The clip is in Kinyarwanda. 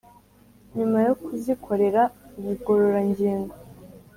nyuma yo kuzikorera ubugororangingo.